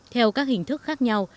theo các hình thức khác nhau